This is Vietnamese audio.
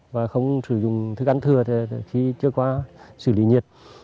và không sử dụng thức ăn thừa khi chưa có xử lý nhiệt